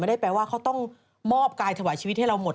ได้แปลว่าเขาต้องมอบกายถวายชีวิตให้เราหมด